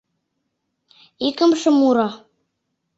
ИКЫМШЕ МУРО